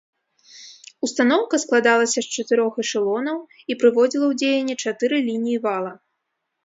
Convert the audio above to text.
Устаноўка складалася з чатырох эшалонаў і прыводзіла ў дзеянне чатыры лініі вала.